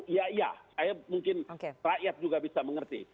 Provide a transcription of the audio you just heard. ya ya mungkin rakyat juga bisa mengerti